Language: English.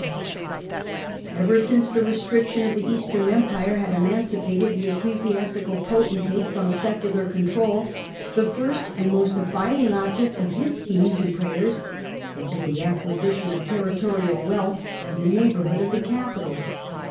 88 THE DAWN OF MEDIAEVAL EUROPE " Ever since the restriction of the Eastern Empire had emancipated the ecclesiastical potentate from secular control, the first and most abiding object of his schemes and prayers had been the acquisition of territorial wealth in the neighbourhood of the capital.